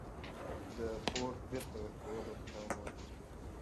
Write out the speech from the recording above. د پور بیرته ورکولو پلان ولرئ.